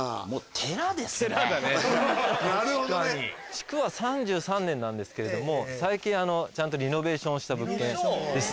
築は３３年なんですけれども最近ちゃんとリノベーションをした物件。でしょ。